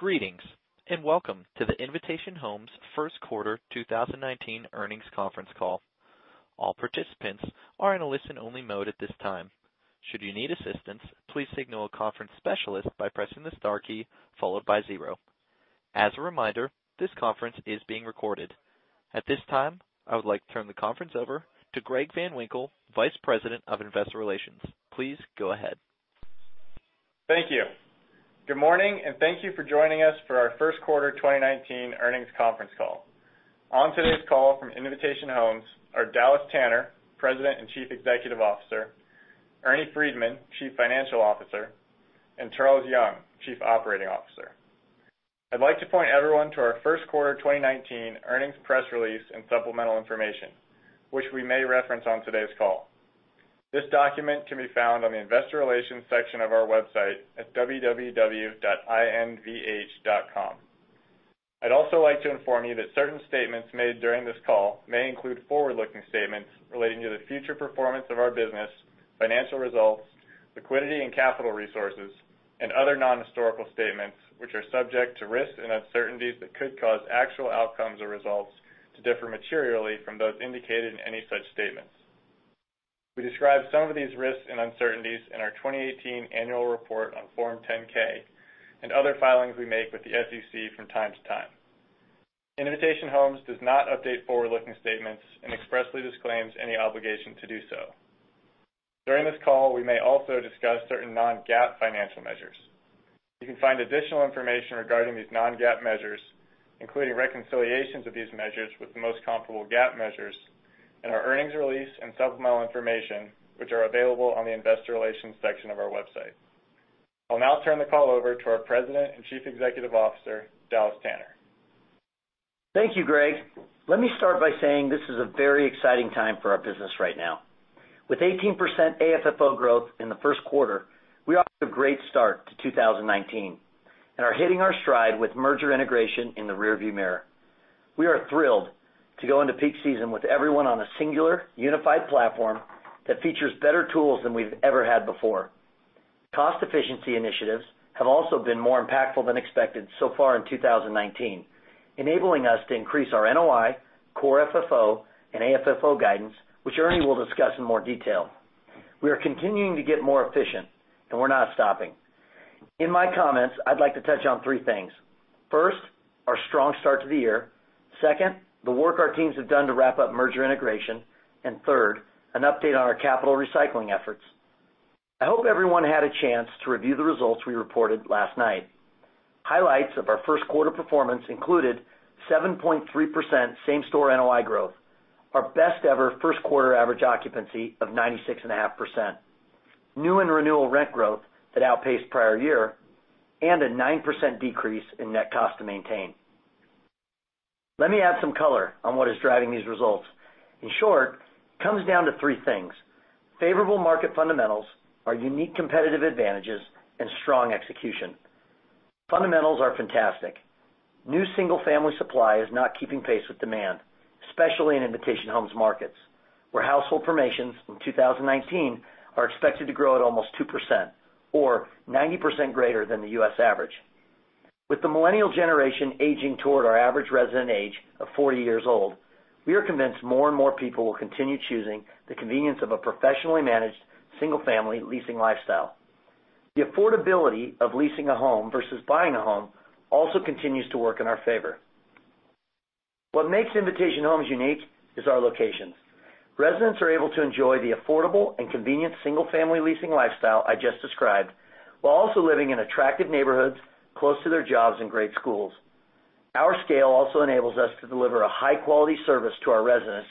Greetings. Welcome to the Invitation Homes first quarter 2019 earnings conference call. All participants are in a listen-only mode at this time. Should you need assistance, please signal a conference specialist by pressing the star key followed by zero. As a reminder, this conference is being recorded. At this time, I would like to turn the conference over to Greg Van Winkle, Vice President of Investor Relations. Please go ahead. Thank you. Good morning, and thank you for joining us for our first quarter 2019 earnings conference call. On today's call from Invitation Homes are Dallas Tanner, President and Chief Executive Officer, Ernie Freedman, Chief Financial Officer, and Charles Young, Chief Operating Officer. I'd like to point everyone to our first quarter 2019 earnings press release and supplemental information, which we may reference on today's call. This document can be found on the investor relations section of our website at www.invh.com. I'd also like to inform you that certain statements made during this call may include forward-looking statements relating to the future performance of our business, financial results, liquidity and capital resources, and other non-historical statements, which are subject to risks and uncertainties that could cause actual outcomes or results to differ materially from those indicated in any such statements. We describe some of these risks and uncertainties in our 2018 annual report on Form 10-K, other filings we make with the SEC from time to time. Invitation Homes does not update forward-looking statements and expressly disclaims any obligation to do so. During this call, we may also discuss certain non-GAAP financial measures. You can find additional information regarding these non-GAAP measures, including reconciliations of these measures with the most comparable GAAP measures in our earnings release and supplemental information, which are available on the investor relations section of our website. I'll now turn the call over to our President and Chief Executive Officer, Dallas Tanner. Thank you, Greg. Let me start by saying this is a very exciting time for our business right now. With 18% AFFO growth in the first quarter, we are off to a great start to 2019, hitting our stride with merger integration in the rear view mirror. We are thrilled to go into peak season with everyone on a singular, unified platform that features better tools than we've ever had before. Cost efficiency initiatives have also been more impactful than expected so far in 2019, enabling us to increase our NOI, core FFO, and AFFO guidance, which Ernie will discuss in more detail. We are continuing to get more efficient, we're not stopping. In my comments, I'd like to touch on three things. First, our strong start to the year. Second, the work our teams have done to wrap up merger integration. Third, an update on our capital recycling efforts. I hope everyone had a chance to review the results we reported last night. Highlights of our first quarter performance included 7.3% same-store NOI growth, our best ever first quarter average occupancy of 96.5%, new and renewal rent growth that outpaced prior year, and a 9% decrease in net cost to maintain. Let me add some color on what is driving these results. In short, it comes down to three things: favorable market fundamentals, our unique competitive advantages, and strong execution. Fundamentals are fantastic. New single-family supply is not keeping pace with demand, especially in Invitation Homes markets, where household formations in 2019 are expected to grow at almost 2%, or 90% greater than the U.S. average. With the millennial generation aging toward our average resident age of 40 years old, we are convinced more and more people will continue choosing the convenience of a professionally managed single-family leasing lifestyle. The affordability of leasing a home versus buying a home also continues to work in our favor. What makes Invitation Homes unique is our locations. Residents are able to enjoy the affordable and convenient single-family leasing lifestyle I just described, while also living in attractive neighborhoods close to their jobs and great schools. Our scale also enables us to deliver a high-quality service to our residents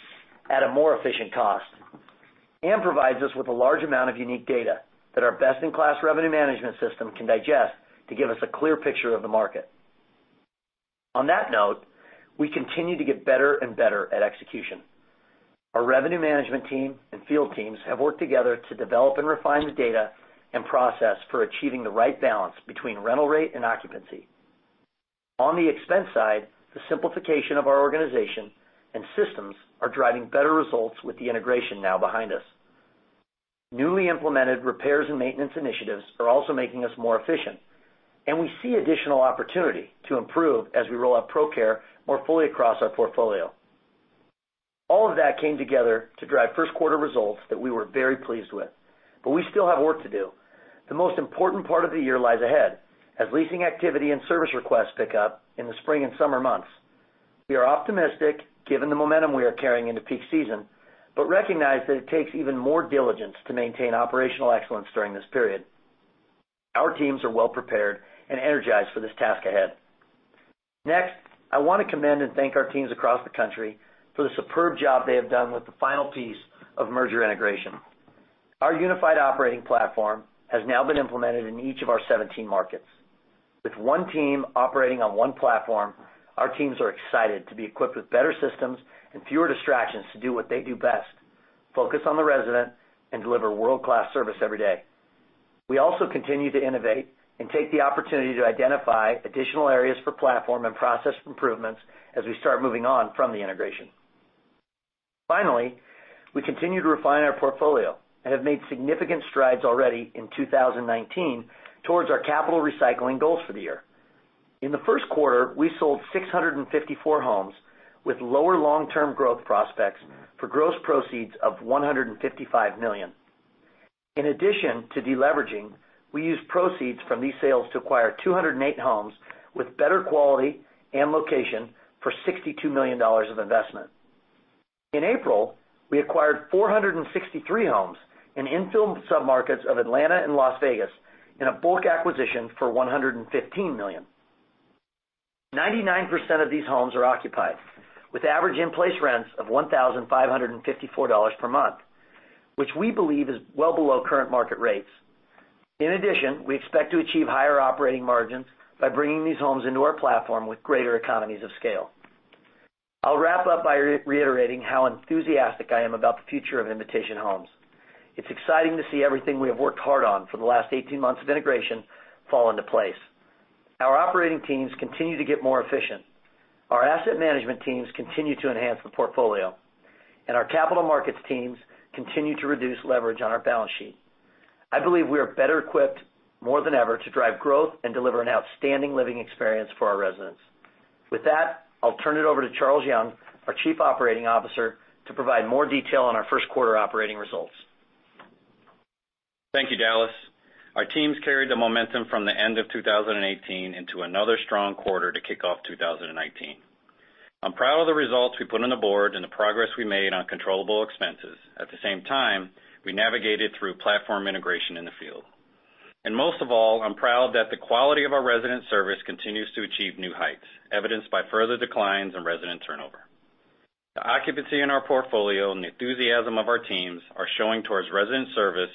at a more efficient cost and provides us with a large amount of unique data that our best-in-class revenue management system can digest to give us a clear picture of the market. On that note, we continue to get better and better at execution. Our revenue management team and field teams have worked together to develop and refine the data and process for achieving the right balance between rental rate and occupancy. On the expense side, the simplification of our organization and systems are driving better results with the integration now behind us. Newly implemented repairs and maintenance initiatives are also making us more efficient, and we see additional opportunity to improve as we roll out ProCare more fully across our portfolio. All of that came together to drive first quarter results that we were very pleased with. We still have work to do. The most important part of the year lies ahead as leasing activity and service requests pick up in the spring and summer months. We are optimistic given the momentum we are carrying into peak season, but recognize that it takes even more diligence to maintain operational excellence during this period. Our teams are well-prepared and energized for this task ahead. Next, I want to commend and thank our teams across the country for the superb job they have done with the final piece of merger integration. Our unified operating platform has now been implemented in each of our 17 markets. With one team operating on one platform, our teams are excited to be equipped with better systems and fewer distractions to do what they do best, focus on the resident and deliver world-class service every day. We also continue to innovate and take the opportunity to identify additional areas for platform and process improvements as we start moving on from the integration. Finally, we continue to refine our portfolio and have made significant strides already in 2019 towards our capital recycling goals for the year. In the first quarter, we sold 654 homes with lower long-term growth prospects for gross proceeds of $155 million. In addition to de-leveraging, we used proceeds from these sales to acquire 208 homes with better quality and location for $62 million of investment. In April, we acquired 463 homes in infield submarkets of Atlanta and Las Vegas in a bulk acquisition for $115 million. 99% of these homes are occupied, with average in-place rents of $1,554 per month, which we believe is well below current market rates. In addition, we expect to achieve higher operating margins by bringing these homes into our platform with greater economies of scale. I'll wrap up by reiterating how enthusiastic I am about the future of Invitation Homes. It's exciting to see everything we have worked hard on for the last 18 months of integration fall into place. Our operating teams continue to get more efficient. Our asset management teams continue to enhance the portfolio, and our capital markets teams continue to reduce leverage on our balance sheet. I believe we are better equipped more than ever to drive growth and deliver an outstanding living experience for our residents. With that, I'll turn it over to Charles Young, our Chief Operating Officer, to provide more detail on our first quarter operating results. Thank you, Dallas. Our teams carried the momentum from the end of 2018 into another strong quarter to kick off 2019. I'm proud of the results we put on the board and the progress we made on controllable expenses. At the same time, we navigated through platform integration in the field. Most of all, I'm proud that the quality of our resident service continues to achieve new heights, evidenced by further declines in resident turnover. The occupancy in our portfolio and the enthusiasm of our teams are showing towards resident service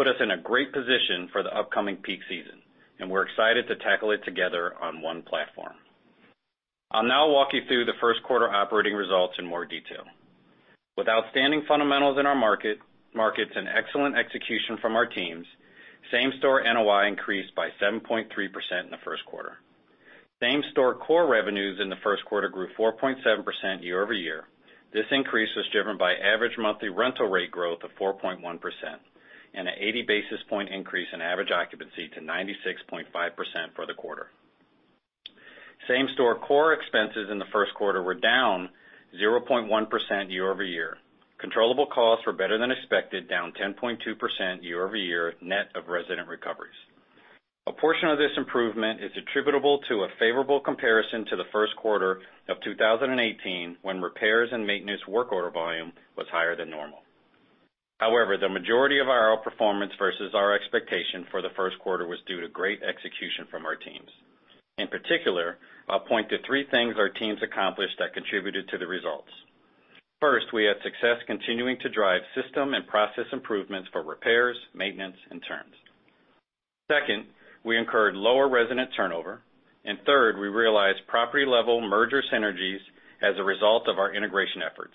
put us in a great position for the upcoming peak season, and we're excited to tackle it together on one platform. I'll now walk you through the first quarter operating results in more detail. With outstanding fundamentals in our markets and excellent execution from our teams, same-store NOI increased by 7.3% in the first quarter. Same-store core revenues in the first quarter grew 4.7% year-over-year. This increase was driven by average monthly rental rate growth of 4.1% and an 80 basis point increase in average occupancy to 96.5% for the quarter. Same-store core expenses in the first quarter were down 0.1% year-over-year. Controllable costs were better than expected, down 10.2% year-over-year net of resident recoveries. A portion of this improvement is attributable to a favorable comparison to the first quarter of 2018, when repairs and maintenance work order volume was higher than normal. However, the majority of our outperformance versus our expectation for the first quarter was due to great execution from our teams. In particular, I'll point to three things our teams accomplished that contributed to the results. First, we had success continuing to drive system and process improvements for repairs, maintenance, and turns. Second, we incurred lower resident turnover. Third, we realized property-level merger synergies as a result of our integration efforts.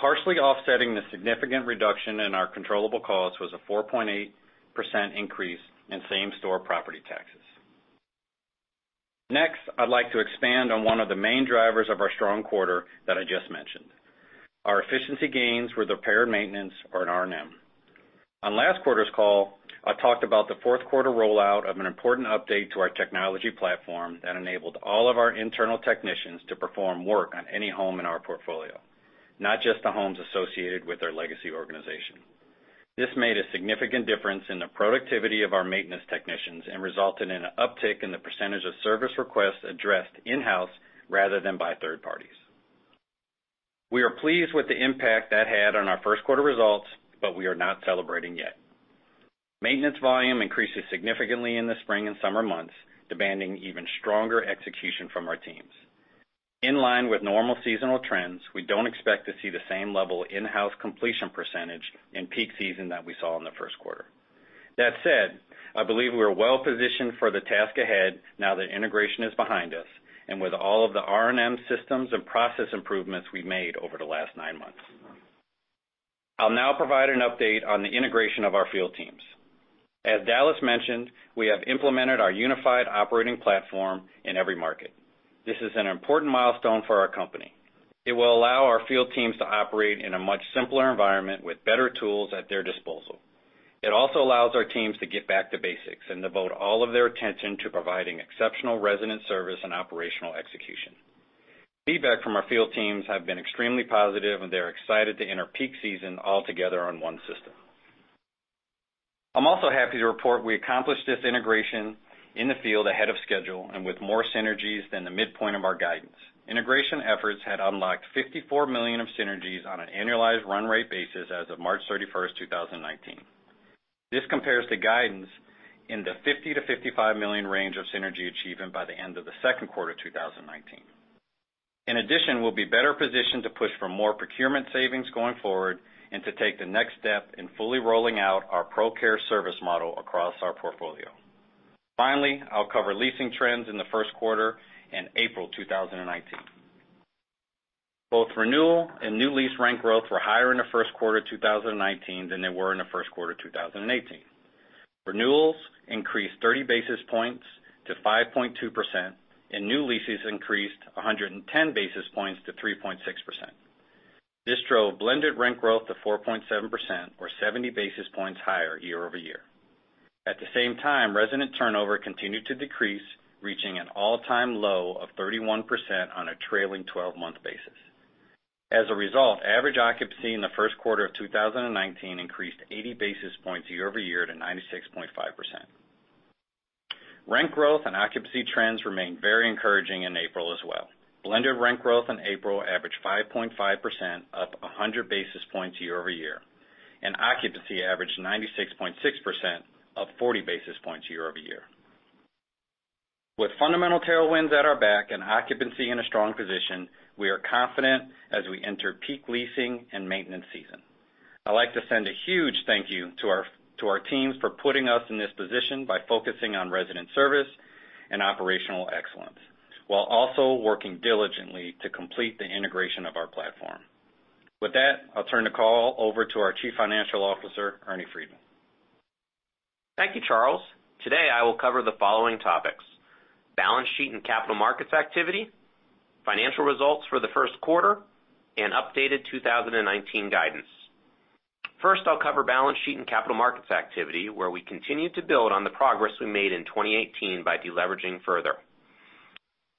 Partially offsetting the significant reduction in our controllable costs was a 4.8% increase in same-store property taxes. Next, I'd like to expand on one of the main drivers of our strong quarter that I just mentioned. Our efficiency gains with repair and maintenance or an R&M. On last quarter's call, I talked about the fourth quarter rollout of an important update to our technology platform that enabled all of our internal technicians to perform work on any home in our portfolio, not just the homes associated with our legacy organization. This made a significant difference in the productivity of our maintenance technicians and resulted in an uptick in the percentage of service requests addressed in-house rather than by third parties. We are pleased with the impact that had on our first quarter results, but we are not celebrating yet. Maintenance volume increases significantly in the spring and summer months, demanding even stronger execution from our teams. In line with normal seasonal trends, we don't expect to see the same level of in-house completion percentage in peak season that we saw in the first quarter. That said, I believe we are well-positioned for the task ahead now that integration is behind us and with all of the R&M systems and process improvements we've made over the last nine months. I'll now provide an update on the integration of our field teams. As Dallas mentioned, we have implemented our unified operating platform in every market. This is an important milestone for our company. It will allow our field teams to operate in a much simpler environment with better tools at their disposal. It also allows our teams to get back to basics and devote all of their attention to providing exceptional resident service and operational execution. Feedback from our field teams have been extremely positive, and they're excited to enter peak season all together on one system. I'm also happy to report we accomplished this integration in the field ahead of schedule and with more synergies than the midpoint of our guidance. Integration efforts had unlocked $54 million of synergies on an annualized run rate basis as of March 31st, 2019. This compares to guidance in the $50 million-$55 million range of synergy achievement by the end of the second quarter 2019. In addition, we'll be better positioned to push for more procurement savings going forward and to take the next step in fully rolling out our ProCare service model across our portfolio. Finally, I'll cover leasing trends in the first quarter and April 2019. Both renewal and new lease rent growth were higher in the first quarter 2019 than they were in the first quarter 2018. Renewals increased 30 basis points to 5.2%, and new leases increased 110 basis points to 3.6%. This drove blended rent growth to 4.7%, or 70 basis points higher year-over-year. At the same time, resident turnover continued to decrease, reaching an all-time low of 31% on a trailing 12-month basis. As a result, average occupancy in the first quarter of 2019 increased 80 basis points year-over-year to 96.5%. Rent growth and occupancy trends remained very encouraging in April as well. Blended rent growth in April averaged 5.5%, up 100 basis points year-over-year, and occupancy averaged 96.6%, up 40 basis points year-over-year. With fundamental tailwinds at our back and occupancy in a strong position, we are confident as we enter peak leasing and maintenance season. I'd like to send a huge thank you to our teams for putting us in this position by focusing on resident service and operational excellence, while also working diligently to complete the integration of our platform. With that, I'll turn the call over to our Chief Financial Officer, Ernie Freedman. Thank you, Charles. Today, I will cover the following topics: balance sheet and capital markets activity, financial results for the first quarter, and updated 2019 guidance. First, I'll cover balance sheet and capital markets activity, where we continued to build on the progress we made in 2018 by deleveraging further.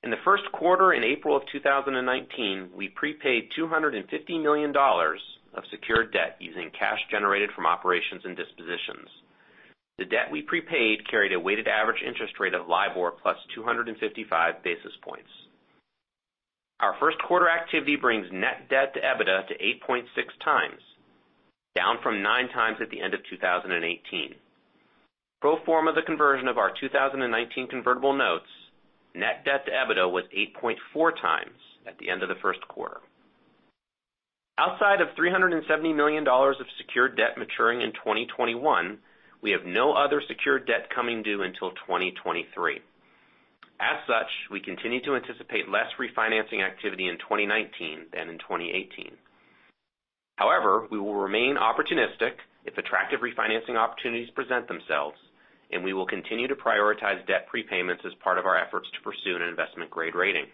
In the first quarter in April of 2019, we prepaid $250 million of secured debt using cash generated from operations and dispositions. The debt we prepaid carried a weighted average interest rate of LIBOR plus 255 basis points. Our first quarter activity brings net debt to EBITDA to 8.6 times, down from nine times at the end of 2018. Pro forma the conversion of our 2019 convertible notes, net debt to EBITDA was 8.4 times at the end of the first quarter. Outside of $370 million of secured debt maturing in 2021, we have no other secured debt coming due until 2023. As such, we continue to anticipate less refinancing activity in 2019 than in 2018. However, we will remain opportunistic if attractive refinancing opportunities present themselves, and we will continue to prioritize debt prepayments as part of our efforts to pursue an investment-grade rating.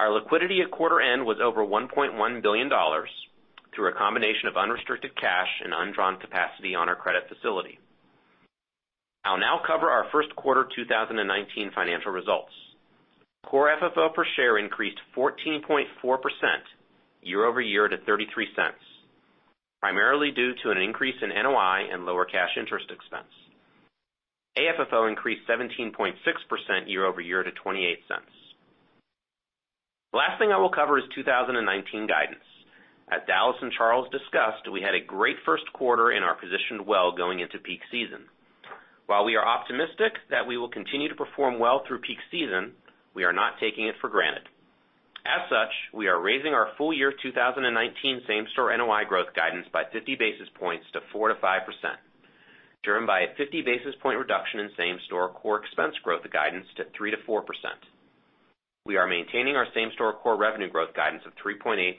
Our liquidity at quarter end was over $1.1 billion through a combination of unrestricted cash and undrawn capacity on our credit facility. I'll now cover our first quarter 2019 financial results. Core FFO per share increased 14.4% year-over-year to $0.33, primarily due to an increase in NOI and lower cash interest expense. AFFO increased 17.6% year-over-year to $0.28. The last thing I will cover is 2019 guidance. As Dallas and Charles discussed, we had a great first quarter and are positioned well going into peak season. While we are optimistic that we will continue to perform well through peak season, we are not taking it for granted. As such, we are raising our full year 2019 same store NOI growth guidance by 50 basis points to 4%-5%, driven by a 50 basis point reduction in same store core expense growth guidance to 3%-4%. We are maintaining our same store core revenue growth guidance of 3.8%-4.4% in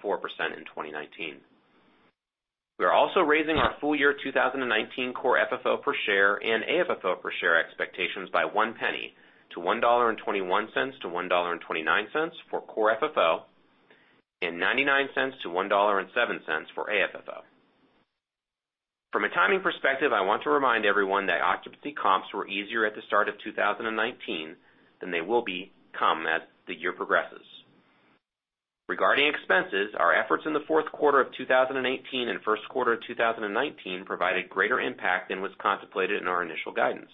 2019. We are also raising our full year 2019 core FFO per share and AFFO per share expectations by $0.01 to $1.21-$1.29 for core FFO and $0.99-$1.07 for AFFO. From a timing perspective, I want to remind everyone that occupancy comps were easier at the start of 2019 than they will become as the year progresses. Regarding expenses, our efforts in the fourth quarter of 2018 and first quarter of 2019 provided greater impact than was contemplated in our initial guidance.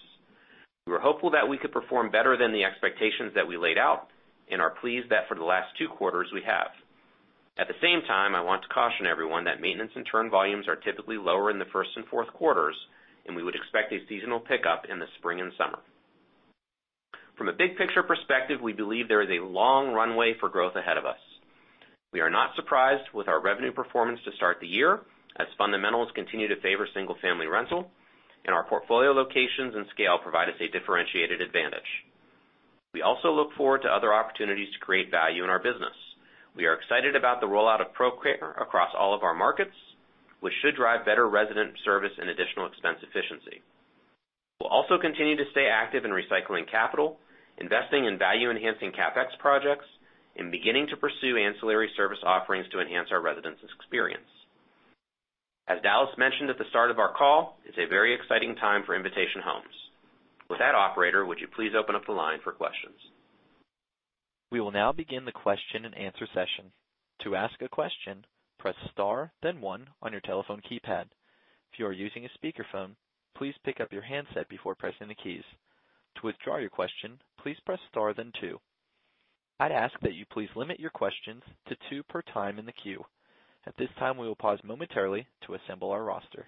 We were hopeful that we could perform better than the expectations that we laid out and are pleased that for the last two quarters, we have. At the same time, I want to caution everyone that maintenance and turn volumes are typically lower in the first and fourth quarters, and we would expect a seasonal pickup in the spring and summer. From a big picture perspective, we believe there is a long runway for growth ahead of us. We are not surprised with our revenue performance to start the year, as fundamentals continue to favor single-family rental, and our portfolio locations and scale provide us a differentiated advantage. We also look forward to other opportunities to create value in our business. We are excited about the rollout of ProCare across all of our markets, which should drive better resident service and additional expense efficiency. We'll also continue to stay active in recycling capital, investing in value-enhancing CapEx projects, and beginning to pursue ancillary service offerings to enhance our residents' experience. As Dallas mentioned at the start of our call, it's a very exciting time for Invitation Homes. With that, operator, would you please open up the line for questions? We will now begin the question and answer session. To ask a question, press star then one on your telephone keypad. If you are using a speakerphone, please pick up your handset before pressing the keys. To withdraw your question, please press star then two. I'd ask that you please limit your questions to two per time in the queue. At this time, we will pause momentarily to assemble our roster.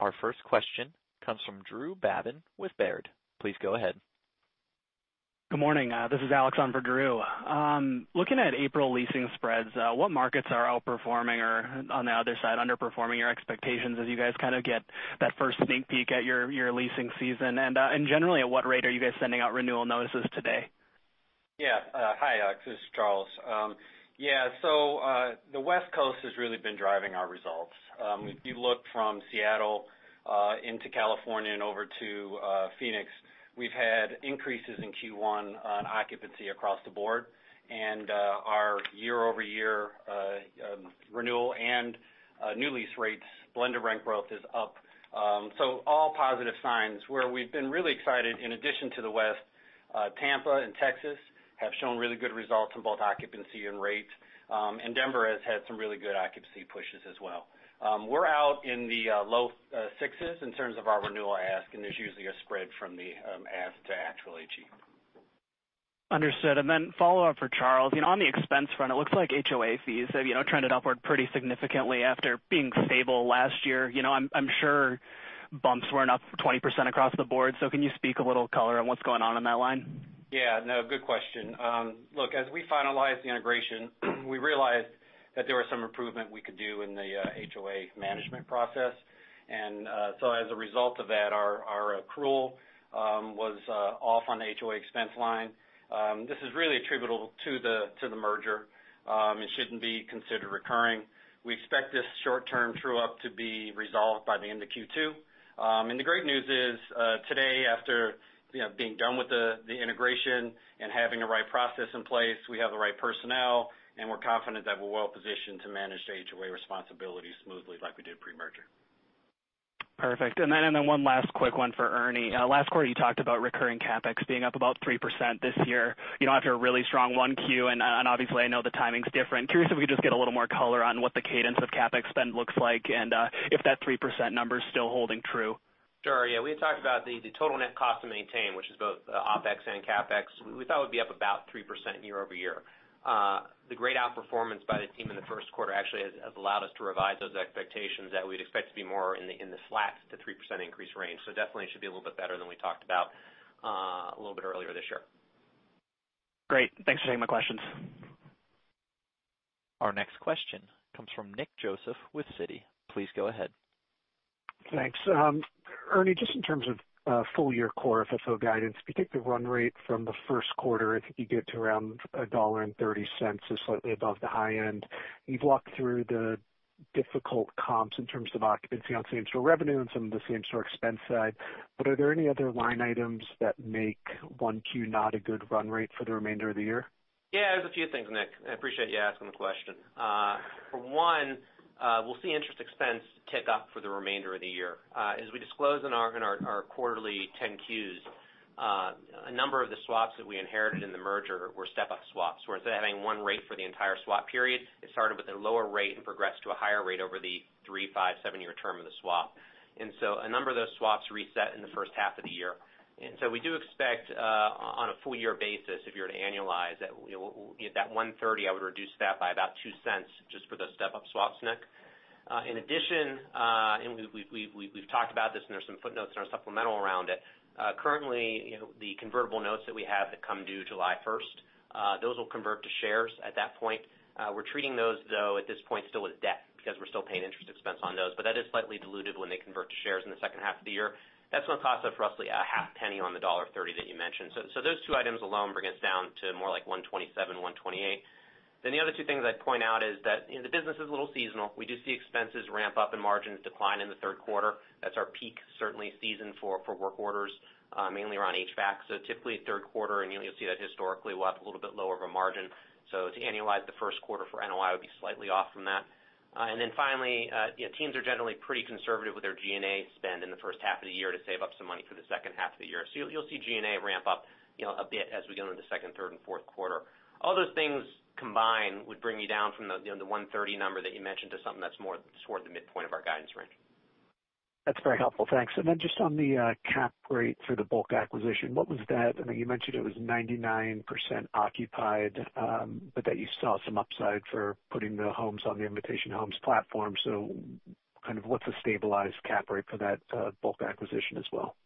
Our first question comes from Drew Babin with Baird. Please go ahead. Good morning. This is Alex on for Drew. Looking at April leasing spreads, what markets are outperforming or, on the other side, underperforming your expectations as you guys kind of get that first sneak peek at your leasing season? Generally, at what rate are you guys sending out renewal notices today? Hi, this is Charles. The West Coast has really been driving our results. If you look from Seattle into California and over to Phoenix, we've had increases in Q1 on occupancy across the board and our year-over-year renewal and new lease rates, blender rent growth is up. All positive signs. Where we've been really excited, in addition to the West, Tampa and Texas have shown really good results in both occupancy and rates. Denver has had some really good occupancy pushes as well. We're out in the low sixes in terms of our renewal ask, there's usually a spread from the ask to actually achieve. Understood. Follow up for Charles. On the expense front, it looks like HOA fees have trended upward pretty significantly after being stable last year. I'm sure bumps weren't up 20% across the board, can you speak a little color on what's going on in that line? Good question. Look, as we finalized the integration, we realized that there was some improvement we could do in the HOA management process. As a result of that, our accrual was off on the HOA expense line. This is really attributable to the merger. It shouldn't be considered recurring. We expect this short-term true-up to be resolved by the end of Q2. The great news is, today, after being done with the integration and having the right process in place, we have the right personnel, and we're confident that we're well-positioned to manage the HOA responsibilities smoothly like we did pre-merger. Perfect. One last quick one for Ernie. Last quarter, you talked about recurring CapEx being up about 3% this year. After a really strong one Q, and obviously I know the timing's different. Curious if we could just get a little more color on what the cadence of CapEx spend looks like, and if that 3% number is still holding true. Sure. Yeah. We had talked about the total net cost to maintain, which is both OpEx and CapEx. We thought it would be up about 3% year-over-year. The great outperformance by the team in the first quarter actually has allowed us to revise those expectations that we'd expect to be more in the less than 3% increase range. Definitely it should be a little bit better than we talked about a little bit earlier this year. Great. Thanks for taking my questions. Our next question comes from Nick Joseph with Citi. Please go ahead. Thanks. Ernie, just in terms of full-year core FFO guidance, if you take the run rate from the first quarter, I think you get to around $1.30, so slightly above the high end. You've walked through the difficult comps in terms of occupancy on same-store revenue and some of the same-store expense side, are there any other line items that make 1Q not a good run rate for the remainder of the year? Yeah, there's a few things, Nick. I appreciate you asking the question. For one, we'll see interest expense tick up for the remainder of the year. As we disclose in our quarterly 10-Qs, a number of the swaps that we inherited in the merger were step-up swaps, where instead of having one rate for the entire swap period, it started with a lower rate and progressed to a higher rate over the three, five, seven-year term of the swap. A number of those swaps reset in the first half of the year. We do expect, on a full-year basis, if you were to annualize, that 1.30, I would reduce that by about $0.02 just for those step-up swaps, Nick. In addition, we've talked about this, and there's some footnotes in our supplemental around it. Currently, the convertible notes that we have that come due July 1st, those will convert to shares at that point. We're treating those, though, at this point, still as debt because we're still paying interest expense on those. That is slightly diluted when they convert to shares in the second half of the year. That's going to cost us roughly a half penny on the $1.30 that you mentioned. Those two items alone bring us down to more like 1.27, 1.28. The other two things I'd point out is that the business is a little seasonal. We do see expenses ramp up and margins decline in the third quarter. That's our peak, certainly, season for work orders, mainly around HVAC. Typically third quarter, and you'll see that historically, we'll have a little bit lower of a margin. To annualize the first quarter for NOI would be slightly off from that. Finally, teams are generally pretty conservative with their G&A spend in the first half of the year to save up some money for the second half of the year. You'll see G&A ramp up a bit as we go into the second, third, and fourth quarter. All those things combined would bring you down from the 1.30 number that you mentioned to something that's more toward the midpoint of our guidance range. That's very helpful. Thanks. Then just on the cap rate for the bulk acquisition, what was that? I know you mentioned it was 99% occupied, but that you saw some upside for putting the homes on the Invitation Homes platform. What's a stabilized cap rate for that bulk acquisition as well?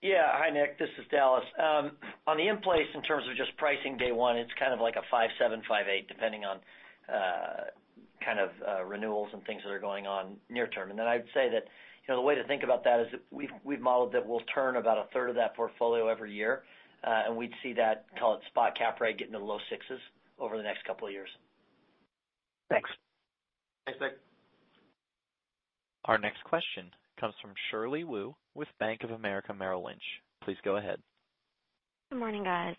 Yeah. Hi, Nick. This is Dallas. On the in-place in terms of just pricing day one, it's kind of like a 5.7%-5.8%, depending on renewals and things that are going on near term. Then I'd say that the way to think about that is we've modeled that we'll turn about a third of that portfolio every year, and we'd see that, call it spot cap rate, get into the low sixes over the next couple of years. Thanks. Thanks, Nick. Our next question comes from Shirley Wu with Bank of America Merrill Lynch. Please go ahead. Good morning, guys.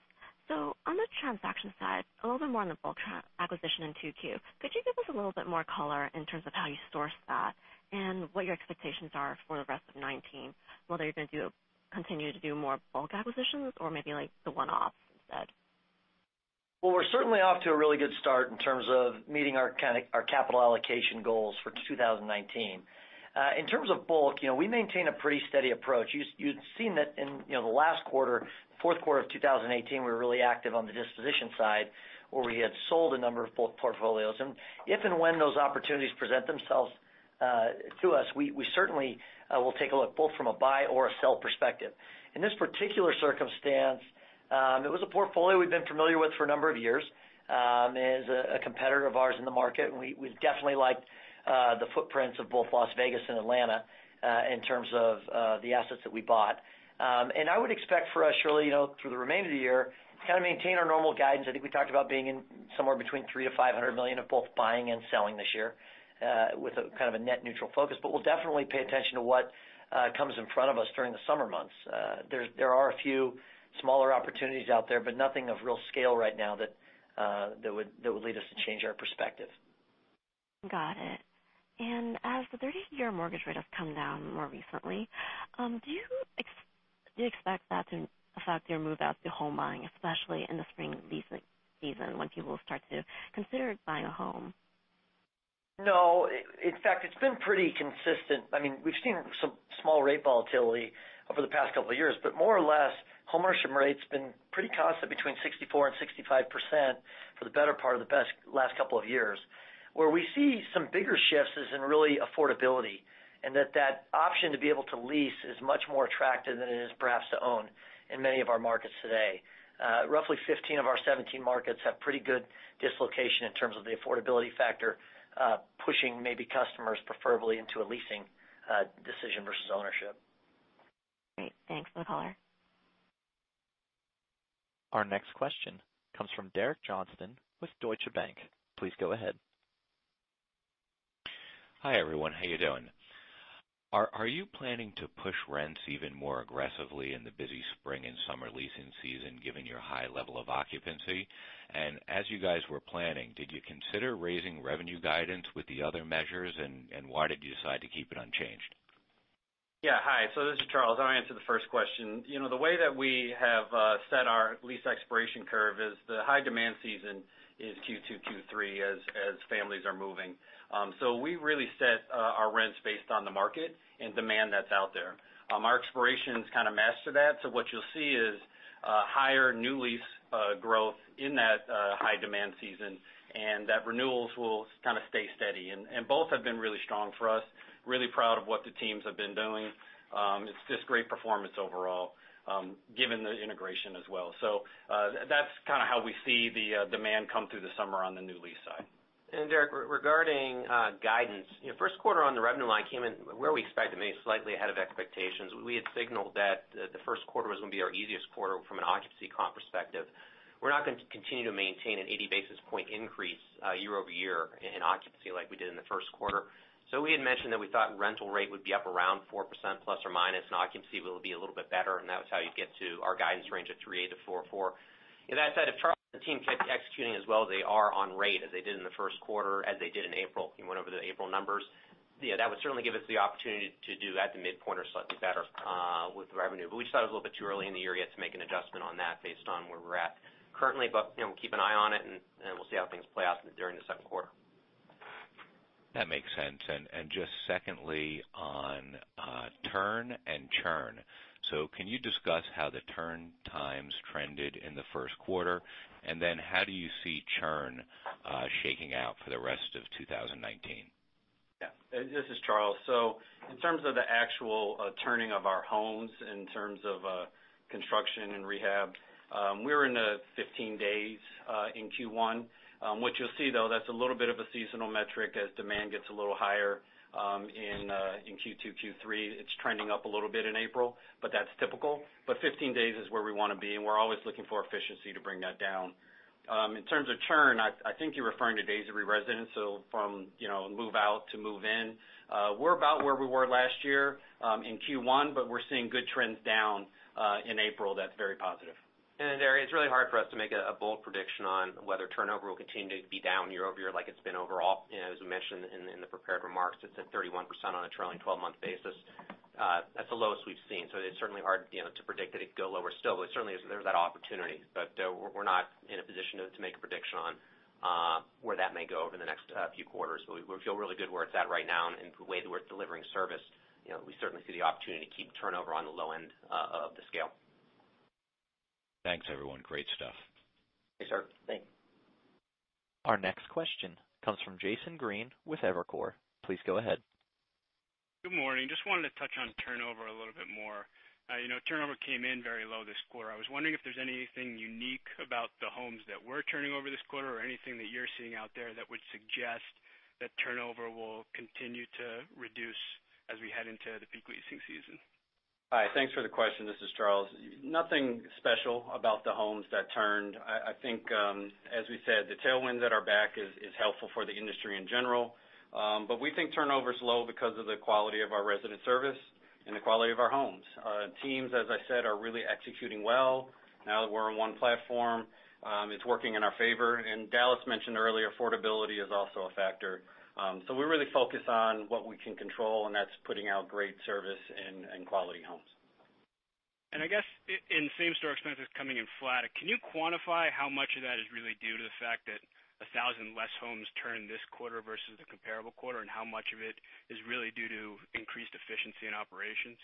On the transaction side, a little bit more on the bulk acquisition in 2Q. Could you give us a little bit more color in terms of how you sourced that and what your expectations are for the rest of 2019, whether you're going to continue to do more bulk acquisitions or maybe like the one-off instead? Well, we're certainly off to a really good start in terms of meeting our capital allocation goals for 2019. In terms of bulk, we maintain a pretty steady approach. You'd seen that in the last quarter, fourth quarter of 2018, we were really active on the disposition side, where we had sold a number of bulk portfolios. If and when those opportunities present themselves to us, we certainly will take a look, both from a buy or a sell perspective. In this particular circumstance It was a portfolio we've been familiar with for a number of years, and is a competitor of ours in the market. We definitely liked the footprints of both Las Vegas and Atlanta in terms of the assets that we bought. I would expect for us, Shirley, through the remainder of the year, kind of maintain our normal guidance. I think we talked about being in somewhere between $300 million-$500 million of both buying and selling this year with a kind of a net neutral focus. We'll definitely pay attention to what comes in front of us during the summer months. There are a few smaller opportunities out there, but nothing of real scale right now that would lead us to change our perspective. Got it. As the 30-year mortgage rate has come down more recently, do you expect that to affect your move out to home buying, especially in the spring leasing season when people start to consider buying a home? No. In fact, it's been pretty consistent. We've seen some small rate volatility over the past couple of years, but more or less, home ownership rate's been pretty constant between 64% and 65% for the better part of the past last couple of years. Where we see some bigger shifts is in really affordability, and that that option to be able to lease is much more attractive than it is perhaps to own in many of our markets today. Roughly 15 of our 17 markets have pretty good dislocation in terms of the affordability factor, pushing maybe customers preferably into a leasing decision versus ownership. Great. Thanks. No problem. Our next question comes from Derek Johnston with Deutsche Bank. Please go ahead. Hi, everyone. How are you doing? Are you planning to push rents even more aggressively in the busy spring and summer leasing season, given your high level of occupancy? As you guys were planning, did you consider raising revenue guidance with the other measures, and why did you decide to keep it unchanged? Hi. This is Charles, I'm going to answer the first question. The way that we have set our lease expiration curve is the high demand season is Q2, Q3, as families are moving. We really set our rents based on the market and demand that's out there. Our expirations kind of match to that. What you'll see is higher new lease growth in that high demand season, and that renewals will kind of stay steady, and both have been really strong for us. Really proud of what the teams have been doing. It's just great performance overall, given the integration as well. That's kind of how we see the demand come through the summer on the new lease side. Derek, regarding guidance. First quarter on the revenue line came in where we expected, maybe slightly ahead of expectations. We had signaled that the first quarter was going to be our easiest quarter from an occupancy comp perspective. We're not going to continue to maintain an 80 basis point increase year-over-year in occupancy like we did in the first quarter. We had mentioned that we thought rental rate would be up around 4% plus or minus, and occupancy will be a little bit better, and that was how you'd get to our guidance range of 3.8 to 4.4. With that said, if Charles and the team kept executing as well as they are on rate as they did in the first quarter, as they did in April, he went over the April numbers. That would certainly give us the opportunity to do at the midpoint or slightly better with the revenue. We just thought it was a little bit too early in the year yet to make an adjustment on that based on where we're at currently. We'll keep an eye on it, and we'll see how things play out during the second quarter. That makes sense. Just secondly on turn and churn. Can you discuss how the turn times trended in the first quarter, and then how do you see churn shaking out for the rest of 2019? This is Charles. In terms of the actual turning of our homes in terms of construction and rehab, we were in 15 days in Q1. What you'll see, though, that's a little bit of a seasonal metric as demand gets a little higher in Q2, Q3. It's trending up a little bit in April, that's typical. 15 days is where we want to be, and we're always looking for efficiency to bring that down. In terms of churn, I think you're referring to days every resident, from move out to move in. We're about where we were last year in Q1, we're seeing good trends down in April that's very positive. Derek, it's really hard for us to make a bold prediction on whether turnover will continue to be down year-over-year like it's been overall. As we mentioned in the prepared remarks, it's at 31% on a trailing 12-month basis. That's the lowest we've seen. It's certainly hard to predict that it'd go lower still. Certainly, there's that opportunity. We're not in a position to make a prediction on where that may go over the next few quarters. We feel really good where it's at right now and the way that we're delivering service. We certainly see the opportunity to keep turnover on the low end of the scale. Thanks, everyone. Great stuff. Yes, sir. Thanks. Our next question comes from Jason Green with Evercore. Please go ahead. Good morning. Just wanted to touch on turnover a little bit more. Turnover came in very low this quarter. I was wondering if there's anything unique about the homes that were turning over this quarter or anything that you're seeing out there that would suggest that turnover will continue to reduce as we head into the peak leasing season. Hi. Thanks for the question. This is Charles. Nothing special about the homes that turned. I think, as we said, the tailwind at our back is helpful for the industry in general. We think turnover is low because of the quality of our resident service and the quality of our homes. Teams, as I said, are really executing well now that we're on one platform. It's working in our favor. Dallas mentioned earlier, affordability is also a factor. We're really focused on what we can control, and that's putting out great service and quality homes. I guess in same store expenses coming in flat, can you quantify how much of that is really due to the fact that 1,000 less homes turned this quarter versus the comparable quarter, and how much of it is really due to increased efficiency in operations?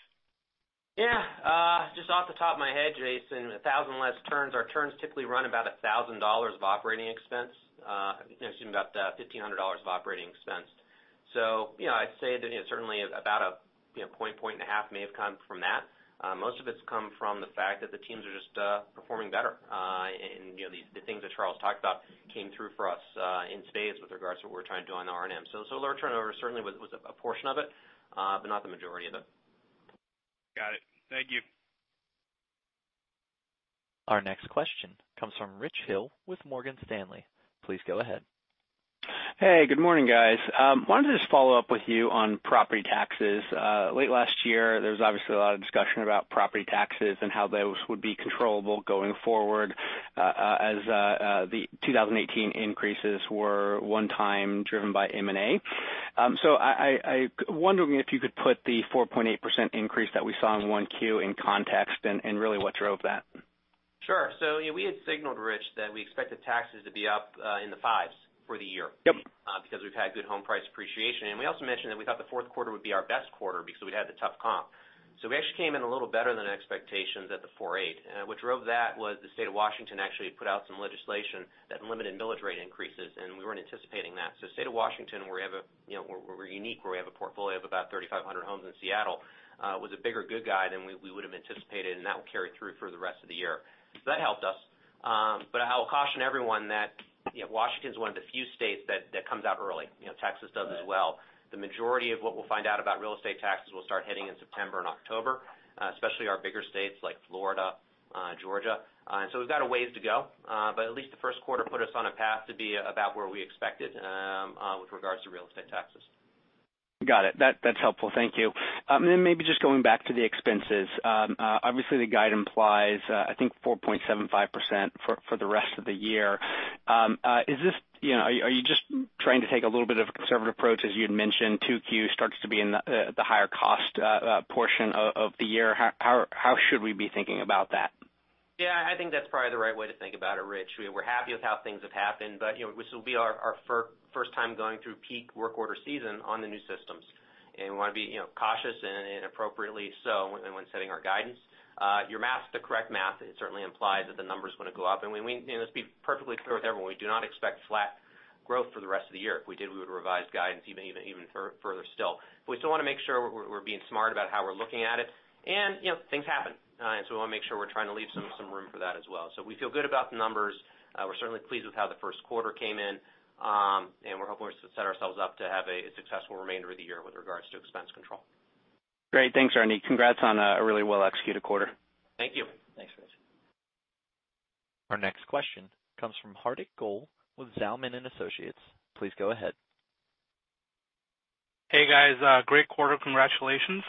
Just off the top of my head, Jason, 1,000 less turns. Our turns typically run about $1,000 of operating expense. Excuse me, about $1,500 of operating expense. I'd say that certainly about a point and a half may have come from that. Most of it's come from the fact that the teams are just performing better. The things that Charles talked about came through for us in spades with regards to what we're trying to do on the R&M. Lower turnover certainly was a portion of it, but not the majority of it. Got it. Thank you. Our next question comes from Rich Hill with Morgan Stanley. Please go ahead. Hey, good morning, guys. Wanted to just follow up with you on property taxes. Late last year, there was obviously a lot of discussion about property taxes and how those would be controllable going forward, as the 2018 increases were one time driven by M&A. I wonder if you could put the 4.8% increase that we saw in 1Q in context and really what drove that. Sure. We had signaled, Rich, that we expected taxes to be up in the fives for the year. Yep. Because we've had good home price appreciation. We also mentioned that we thought the fourth quarter would be our best quarter because we had the tough comp. We actually came in a little better than expectations at the 4.8. What drove that was the State of Washington actually put out some legislation that limited millage rate increases, and we weren't anticipating that. State of Washington, where we're unique, where we have a portfolio of about 3,500 homes in Seattle, was a bigger good guy than we would've anticipated, and that will carry through for the rest of the year. That helped us. I will caution everyone that Washington's one of the few states that comes out early. Texas does as well. The majority of what we'll find out about real estate taxes will start hitting in September and October, especially our bigger states like Florida, Georgia. We've got a ways to go. At least the first quarter put us on a path to be about where we expected with regards to real estate taxes. Got it. That's helpful. Thank you. Maybe just going back to the expenses. Obviously, the guide implies, I think 4.75% for the rest of the year. Are you just trying to take a little bit of a conservative approach, as you had mentioned, 2Q starts to be in the higher cost portion of the year? How should we be thinking about that? Yeah, I think that's probably the right way to think about it, Rich. We're happy with how things have happened, but this will be our first time going through peak work order season on the new systems. We want to be cautious and appropriately so when setting our guidance. Your math's the correct math. It certainly implies that the numbers want to go up. Let's be perfectly clear with everyone, we do not expect flat growth for the rest of the year. If we did, we would revise guidance even further still. We still want to make sure we're being smart about how we're looking at it, and things happen. We want to make sure we're trying to leave some room for that as well. We feel good about the numbers. We're certainly pleased with how the first quarter came in. We're hoping to set ourselves up to have a successful remainder of the year with regards to expense control. Great. Thanks, Ernie. Congrats on a really well-executed quarter. Thank you. Thanks, Rich. Our next question comes from Hardik Goel with Zelman & Associates. Please go ahead. Hey, guys. Great quarter. Congratulations.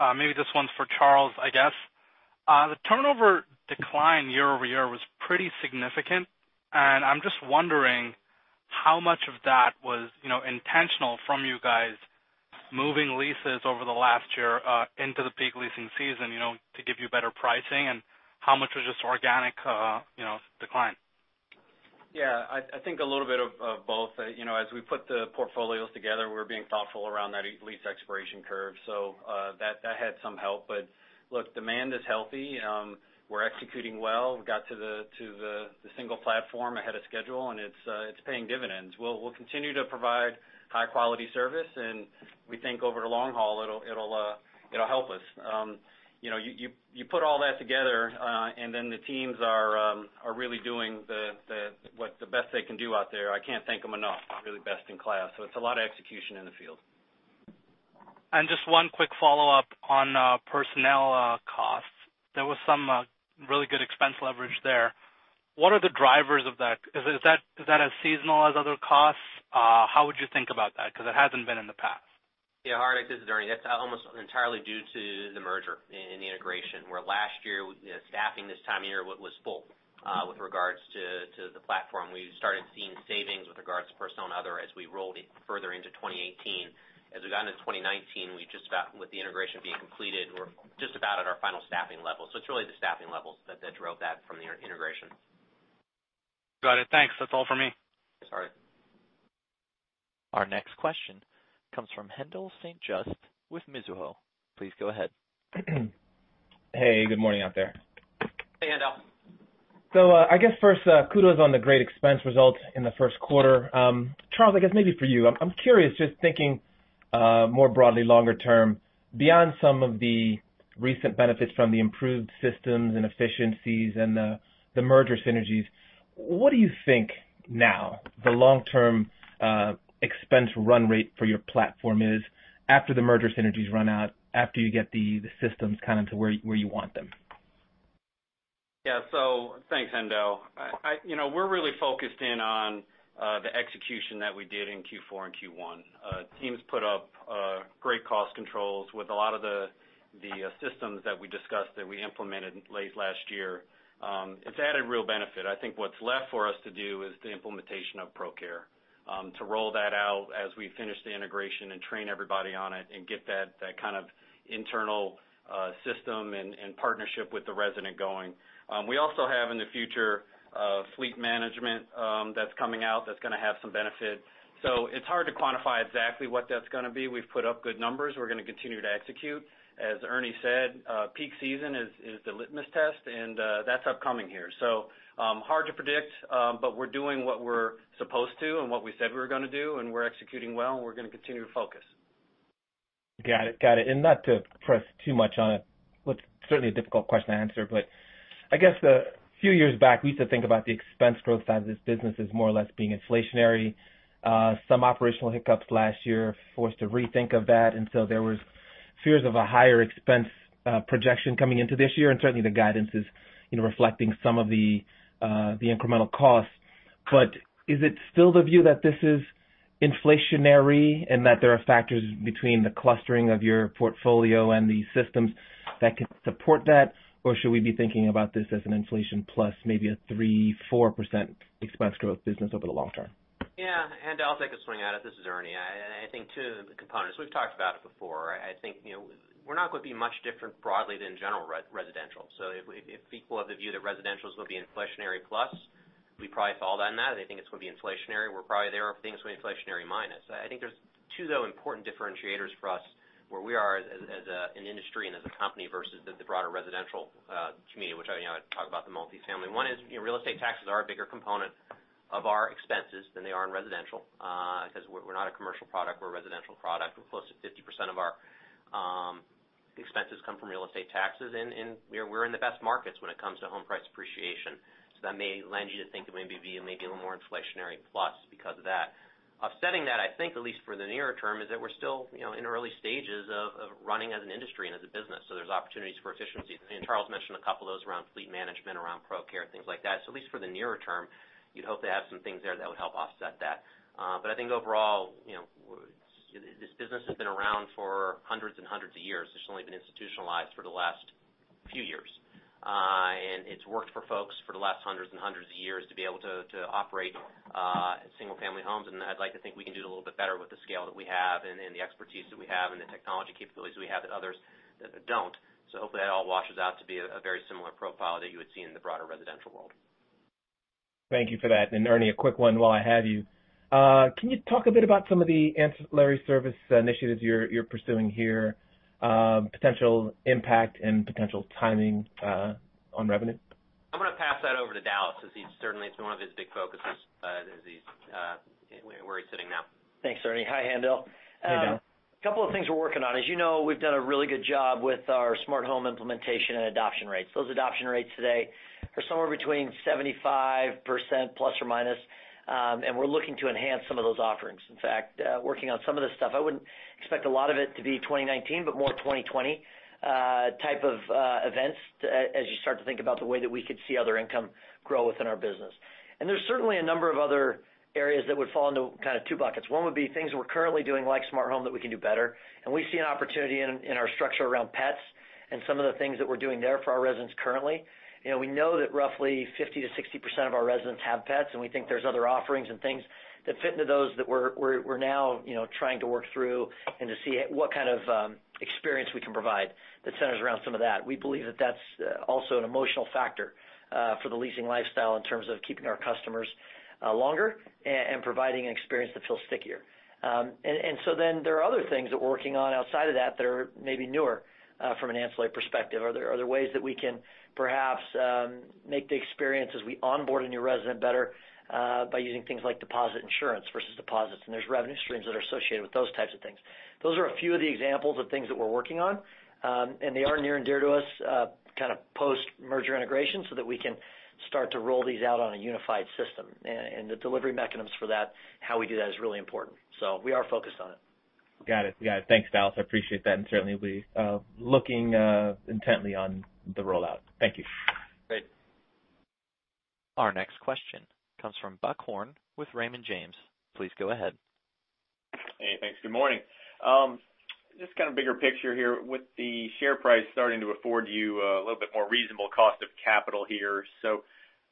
Maybe this one's for Charles, I guess. The turnover decline year-over-year was pretty significant, and I'm just wondering how much of that was intentional from you guys moving leases over the last year into the peak leasing season, to give you better pricing, and how much was just organic decline? Yeah, I think a little bit of both. As we put the portfolios together, we're being thoughtful around that lease expiration curve. That had some help. Look, demand is healthy. We're executing well. We got to the single platform ahead of schedule, and it's paying dividends. We'll continue to provide high-quality service, and we think over the long haul, it'll help us. You put all that together, the teams are really doing the best they can do out there. I can't thank them enough. Really best in class. It's a lot of execution in the field. Just one quick follow-up on personnel costs. There was some really good expense leverage there. What are the drivers of that? Is that as seasonal as other costs? How would you think about that? Because it hasn't been in the past. Yeah, Hardik, this is Ernie. That's almost entirely due to the merger and the integration, where last year, staffing this time of year was full, with regards to the platform. We started seeing savings with regards to personal and other as we rolled further into 2018. As we got into 2019, with the integration being completed, we're just about at our final staffing level. It's really the staffing levels that drove that from the integration. Got it. Thanks. That's all for me. Thanks, Hardik. Our next question comes from Haendel St. Juste with Mizuho. Please go ahead. Hey, good morning out there. Hey, Haendel. I guess first, kudos on the great expense results in the first quarter. Charles, I guess maybe for you, I'm curious, just thinking more broadly longer term, beyond some of the recent benefits from the improved systems and efficiencies and the merger synergies, what do you think now the long-term expense run rate for your platform is after the merger synergies run out, after you get the systems kind of to where you want them? Thanks, Haendel. We're really focused in on the execution that we did in Q4 and Q1. Teams put up great cost controls with a lot of the systems that we discussed that we implemented late last year. It's added real benefit. I think what's left for us to do is the implementation of ProCare, to roll that out as we finish the integration and train everybody on it and get that kind of internal system and partnership with the resident going. We also have in the future, fleet management that's coming out that's going to have some benefit. It's hard to quantify exactly what that's going to be. We've put up good numbers. We're going to continue to execute. As Ernie said, peak season is the litmus test, and that's upcoming here. Hard to predict, but we're doing what we're supposed to and what we said we were going to do, and we're executing well, and we're going to continue to focus. Got it. Not to press too much on what's certainly a difficult question to answer, but I guess a few years back, we used to think about the expense growth side of this business as more or less being inflationary. Some operational hiccups last year forced a rethink of that, and so there was fears of a higher expense projection coming into this year, and certainly the guidance is reflecting some of the incremental costs. Is it still the view that this is inflationary and that there are factors between the clustering of your portfolio and the systems that could support that? Or should we be thinking about this as an inflation plus maybe a 3%-4% expense growth business over the long term? Yeah. I'll take a swing at it. This is Ernie. I think two components. We've talked about it before. I think we're not going to be much different broadly than general residential. If people have the view that residential is going to be inflationary plus, we probably fall down that. They think it's going to be inflationary, we're probably there. If they think it's going to be inflationary minus. I think there's two, though, important differentiators for us, where we are as an industry and as a company versus the broader residential community, which I talk about the multifamily. One is real estate taxes are a bigger component of our expenses than they are in residential, because we're not a commercial product, we're a residential product. We're close to 50% of our expenses come from real estate taxes, and we're in the best markets when it comes to home price appreciation. That may lend you to think it may be maybe a little more inflationary plus because of that. Offsetting that, I think, at least for the nearer term, is that we're still in early stages of running as an industry and as a business. There's opportunities for efficiency. Charles mentioned a couple of those around fleet management, around ProCare, things like that. At least for the nearer term, you'd hope to have some things there that would help offset that. I think overall, this business has been around for hundreds and hundreds of years. It's only been institutionalized for the last few years. It's worked for folks for the last hundreds and hundreds of years to be able to operate single-family homes. I'd like to think we can do it a little bit better with the scale that we have and the expertise that we have and the technology capabilities we have that others that don't. Hopefully that all washes out to be a very similar profile that you would see in the broader residential world. Thank you for that. Ernie, a quick one while I have you. Can you talk a bit about some of the ancillary service initiatives you're pursuing here, potential impact and potential timing on revenue? I'm going to pass that over to Dallas, as it's certainly been one of his big focuses where he's sitting now. Thanks, Ernie. Hi, Haendel. Hey, Dallas. A couple of things we're working on. As you know, we've done a really good job with our smart home implementation and adoption rates. Those adoption rates today are somewhere between ±75%, and we're looking to enhance some of those offerings. In fact, working on some of this stuff, I wouldn't expect a lot of it to be 2019, but more 2020 type of events as you start to think about the way that we could see other income grow within our business. There's certainly a number of other areas that would fall into kind of two buckets. One would be things we're currently doing, like smart home, that we can do better. We see an opportunity in our structure around pets and some of the things that we're doing there for our residents currently. We know that roughly 50%-60% of our residents have pets, and we think there's other offerings and things that fit into those that we're now trying to work through and to see what kind of experience we can provide that centers around some of that. We believe that that's also an emotional factor for the leasing lifestyle in terms of keeping our customers longer and providing an experience that feels stickier. There are other things that we're working on outside of that are maybe newer from an ancillary perspective. Are there other ways that we can perhaps make the experience as we onboard a new resident better by using things like deposit insurance versus deposits? There's revenue streams that are associated with those types of things. Those are a few of the examples of things that we're working on. They are near and dear to us, kind of post-merger integration, so that we can start to roll these out on a unified system. The delivery mechanisms for that, how we do that is really important. We are focused on it. Got it. Thanks, Dallas. I appreciate that, and certainly, we're looking intently on the rollout. Thank you. Great. Our next question comes from Buck Horne with Raymond James. Please go ahead. Hey, thanks. Good morning. Just kind of bigger picture here. With the share price starting to afford you a little bit more reasonable cost of capital here,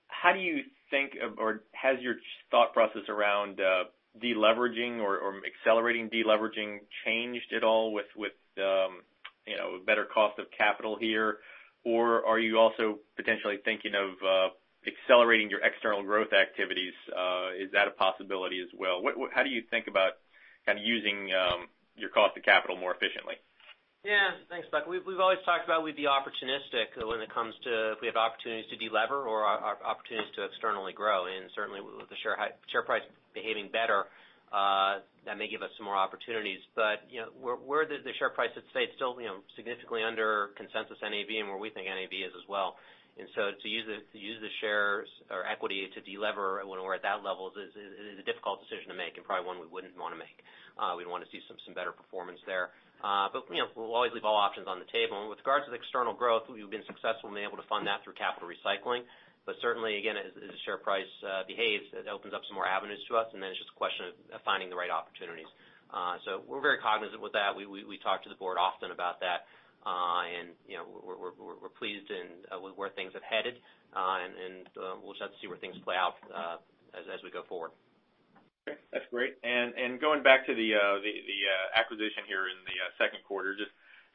how do you think or has your thought process around de-leveraging or accelerating de-leveraging changed at all with better cost of capital here? Are you also potentially thinking of accelerating your external growth activities? Is that a possibility as well? How do you think about kind of using your cost of capital more efficiently? Yeah. Thanks, Buck. We've always talked about we'd be opportunistic when it comes to if we have opportunities to de-lever or opportunities to externally grow. Certainly, with the share price behaving better, that may give us some more opportunities. Where the share price is today, it's still significantly under consensus NAV and where we think NAV is as well. To use the shares or equity to de-lever when we're at that level is a difficult decision to make and probably one we wouldn't want to make. We'd want to see some better performance there. We'll always leave all options on the table. With regards to the external growth, we've been successful and been able to fund that through capital recycling. Certainly, again, as the share price behaves, it opens up some more avenues to us, and then it's just a question of finding the right opportunities. We're very cognizant with that. We talk to the board often about that. We're pleased with where things have headed. We'll just have to see where things play out as we go forward. Okay. That's great. Going back to the acquisition here in the second quarter.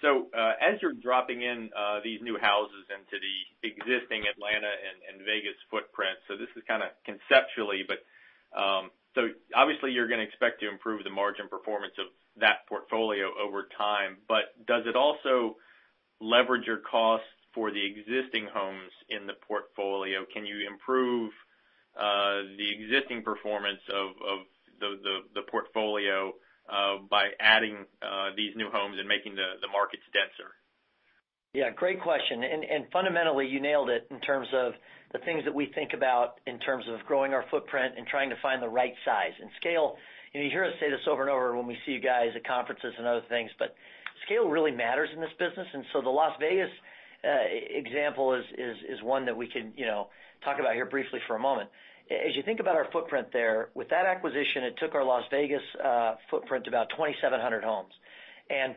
As you're dropping in these new houses into the existing Atlanta and Vegas footprint, this is kind of conceptually, obviously you're going to expect to improve the margin performance of that portfolio over time. Does it also leverage your costs for the existing homes in the portfolio? Can you improve the existing performance of the portfolio by adding these new homes and making the markets denser? Yeah, great question. Fundamentally, you nailed it in terms of the things that we think about in terms of growing our footprint and trying to find the right size and scale. You hear us say this over and over when we see you guys at conferences and other things, scale really matters in this business. The Las Vegas example is one that we can talk about here briefly for a moment. As you think about our footprint there, with that acquisition, it took our Las Vegas footprint to about 2,700 homes.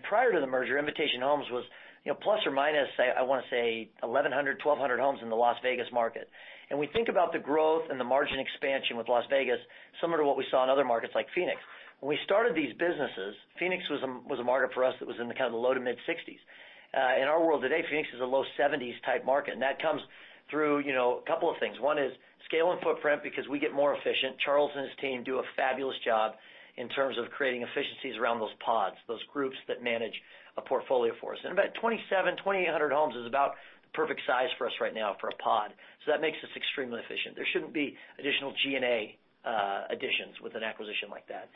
Prior to the merger, Invitation Homes was, plus or minus, I want to say 1,100, 1,200 homes in the Las Vegas market. We think about the growth and the margin expansion with Las Vegas, similar to what we saw in other markets like Phoenix. When we started these businesses, Phoenix was a market for us that was in the kind of the low to mid-60s. In our world today, Phoenix is a low 70s type market, and that comes through a couple of things. One is scale and footprint, because we get more efficient. Charles and his team do a fabulous job in terms of creating efficiencies around those pods, those groups that manage a portfolio for us. About 2,700-2,800 homes is about the perfect size for us right now for a pod. That makes us extremely efficient. There shouldn't be additional G&A additions with an acquisition like that.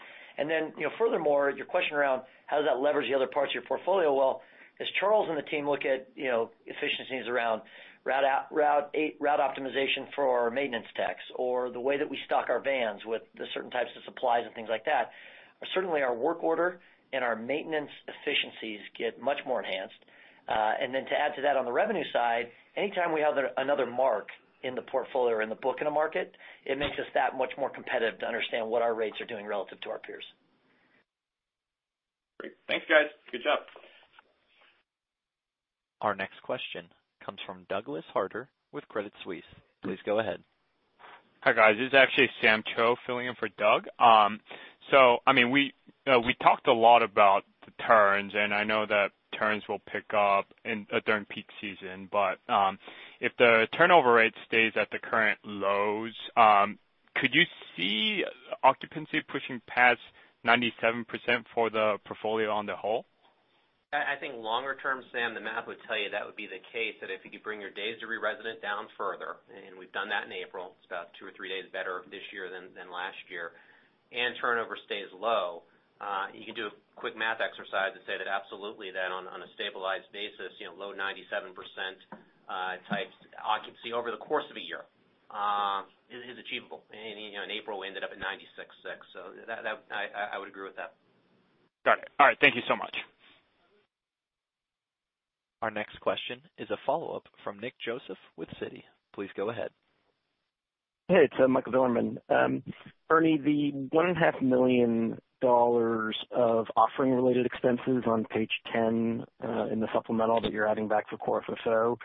Furthermore, your question around how does that leverage the other parts of your portfolio? Well, as Charles and the team look at efficiencies around route optimization for our maintenance techs, or the way that we stock our vans with the certain types of supplies and things like that. Certainly, our work order and our maintenance efficiencies get much more enhanced. To add to that on the revenue side, anytime we have another mark in the portfolio or in the book in a market, it makes us that much more competitive to understand what our rates are doing relative to our peers. Great. Thanks, guys. Good job. Our next question comes from Douglas Harter with Credit Suisse. Please go ahead. Hi, guys. This is actually Sam Cho filling in for Doug. We talked a lot about the turns, and I know that turns will pick up during peak season. If the turnover rate stays at the current lows, could you see occupancy pushing past 97% for the portfolio on the whole? I think longer term, Sam, the math would tell you that would be the case, that if you could bring your days to re-resident down further, and we've done that in April. It's about two or three days better this year than last year. Turnover stays low. You can do a quick math exercise and say that absolutely, that on a stabilized basis, low 97% type occupancy over the course of a year is achievable. In April, we ended up at 96.6. I would agree with that. Got it. All right. Thank you so much. Our next question is a follow-up from Nick Joseph with Citi. Please go ahead. Hey, it's Michael Bilerman. Ernie, the $1.5 million of offering related expenses on page 10 in the supplemental that you're adding back for core FFO,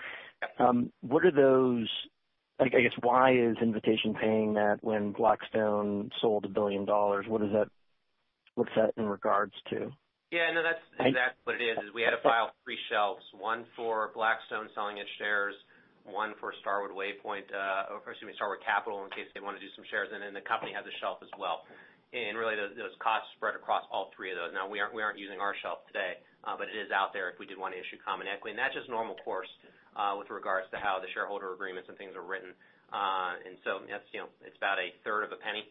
I guess why is Invitation paying that when Blackstone sold $1 billion? What's that in regards to? Yeah, no, that's exactly what it is we had to file three shelves, one for Blackstone selling its shares, one for Starwood Waypoint, or excuse me, Starwood Capital in case they want to do some shares, and then the company has a shelf as well. Really, those costs spread across all three of those. We aren't using our shelf today, but it is out there if we did want to issue common equity. That's just normal course, with regards to how the shareholder agreements and things are written. So it's about a third of a penny,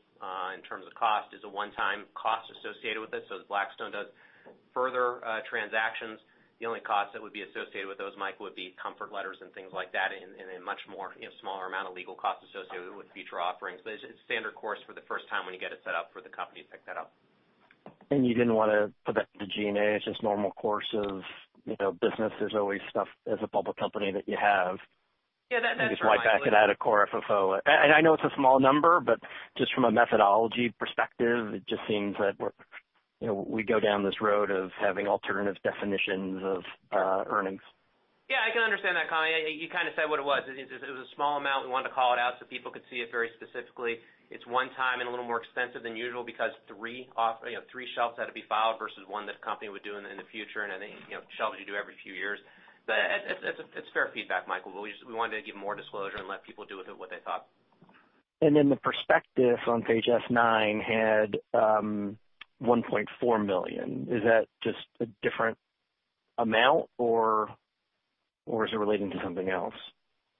in terms of cost, is a one-time cost associated with this. As Blackstone does further transactions, the only cost that would be associated with those, Mike, would be comfort letters and things like that in a much more smaller amount of legal costs associated with future offerings. It's standard course for the first time when you get it set up for the company to pick that up. You didn't want to put that into G&A, it's just normal course of business. There's always stuff as a public company that you have. Yeah, that's right, Michael, yeah. You can just wipe back it out of core FFO. I know it's a small number, but just from a methodology perspective, it just seems that we go down this road of having alternative definitions of earnings. Yeah, I can understand that, Michael. You kind of said what it was. It was a small amount. We wanted to call it out so people could see it very specifically. It's one time and a little more expensive than usual because three shelves had to be filed versus one this company would do in the future, and then shelves you do every few years. It's fair feedback, Michael. We wanted to give more disclosure and let people do with it what they thought. The prospectus on page S9 had $1.4 million. Is that just a different amount or is it relating to something else?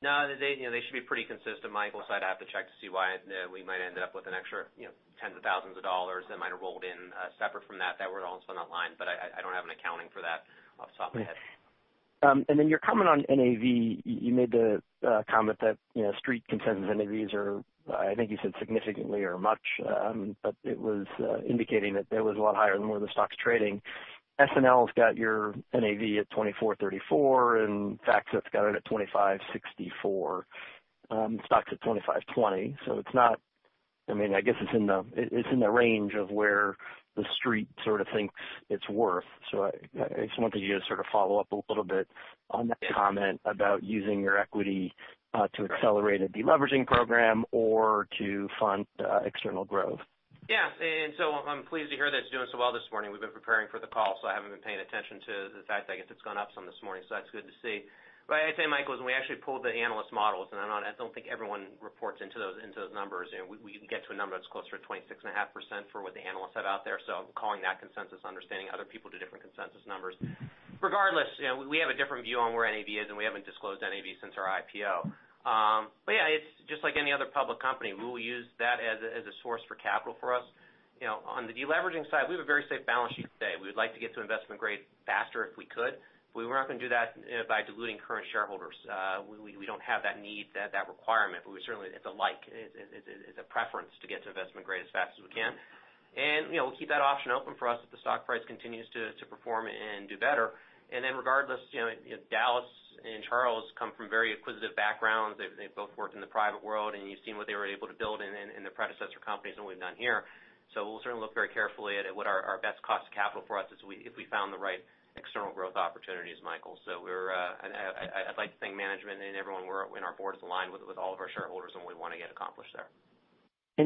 No, they should be pretty consistent, Michael. I'd have to check to see why we might end up with an extra tens of thousands of dollars that might have rolled in separate from that were also on the line. I don't have an accounting for that off the top of my head. Your comment on NAV, you made the comment that street consensus NAVs are, I think you said significantly or much, but it was indicating that it was a lot higher than where the stock's trading. SNL's got your NAV at $24.34, and FactSet's got it at $25.64. The stock's at $25.20. I guess it's in the range of where the street sort of thinks it's worth. I just wanted you to sort of follow up a little bit on that comment about using your equity to accelerate a deleveraging program or to fund external growth. Yeah. I'm pleased to hear that it's doing so well this morning. We've been preparing for the call, I haven't been paying attention to the fact, I guess it's gone up some this morning, that's good to see. I'd say, Michael, when we actually pulled the analyst models, and I don't think everyone reports into those numbers, we get to a number that's closer to 26.5% for what the analysts have out there. Calling that consensus, understanding other people do different consensus numbers. Regardless, we have a different view on where NAV is, and we haven't disclosed NAV since our IPO. Yeah, it's just like any other public company. We will use that as a source for capital for us. On the de-leveraging side, we have a very safe balance sheet today. We would like to get to investment grade faster if we could. We were not going to do that by diluting current shareholders. We don't have that need, that requirement, but we certainly, it's a like. It's a preference to get to investment grade as fast as we can. We'll keep that option open for us if the stock price continues to perform and do better. Regardless, Dallas and Charles come from very acquisitive backgrounds. They've both worked in the private world, and you've seen what they were able to build in their predecessor companies and what we've done here. We'll certainly look very carefully at what our best cost of capital for us is if we found the right external growth opportunities, Michael. I'd like to think management and everyone in our Board is aligned with all of our shareholders, and what we want to get accomplished there.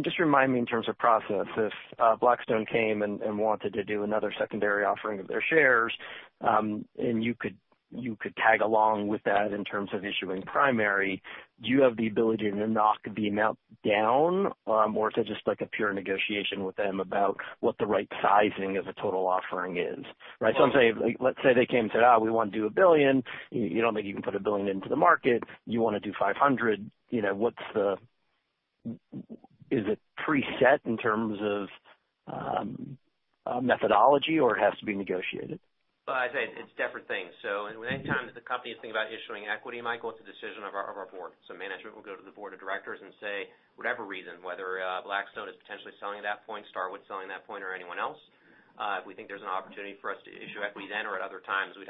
Just remind me in terms of process, if Blackstone came and wanted to do another secondary offering of their shares, and you could tag along with that in terms of issuing primary, do you have the ability to knock the amount down? Is it just like a pure negotiation with them about what the right sizing of a total offering is? Let's say they came and said, "We want to do $1 billion." You don't think you can put $1 billion into the market. You want to do $500. Is it preset in terms of methodology or it has to be negotiated? I'd say it's different things. Anytime that the company is thinking about issuing equity, Michael, it's a decision of our Board. Management will go to the Board of Directors and say, whatever reason, whether Blackstone is potentially selling at that point, Starwood's selling at that point, or anyone else. If we think there's an opportunity for us to issue equity then or at other times, we'd